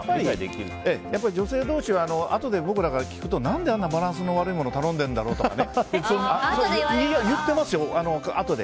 女性同士は、あとで聞くと何であんなバランスの悪いもの頼んでるんだろうとか言ってますよ、あとで。